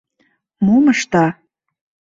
Мом ышта?